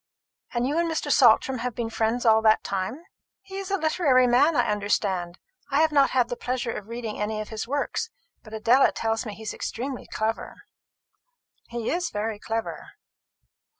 And you and Mr. Saltram have been friends all that time? He is a literary man, I understand. I have not had the pleasure of reading any of his works; but Adela tells me he is extremely clever." "He is very clever."